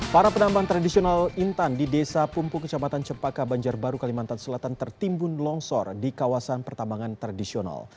para penambang tradisional intan di desa pumpu kecamatan cempaka banjarbaru kalimantan selatan tertimbun longsor di kawasan pertambangan tradisional